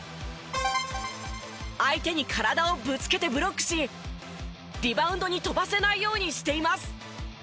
相手に体をぶつけてブロックしリバウンドに跳ばせないようにしています。